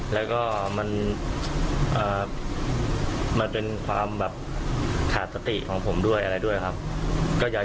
แล้วก็มันเป็นความแบบขาดสติของผมด้วยอะไรด้วยครับ